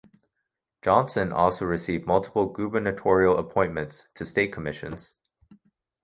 Johnson also received multiple gubernatorial appointments to state commissions.